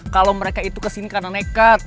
kalau mereka itu kesini karena nekat